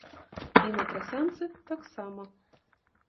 І на трасянцы таксама.